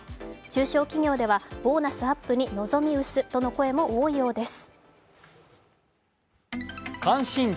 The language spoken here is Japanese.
中小企業ではボーナスアップに望み薄との声も多いようです。